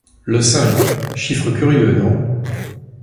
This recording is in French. Le cinq, chiffre curieux non ?